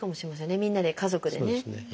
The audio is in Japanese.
みんなで家族でね。